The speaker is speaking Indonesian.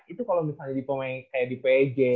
itu kalo misalnya di pj